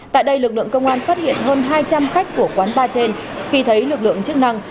tại đây lực lượng công an phát hiện hơn hai trăm linh khách của quán bar trên khi thấy lực lượng chức năng